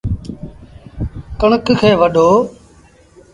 ڪڻڪ کي وڍو۔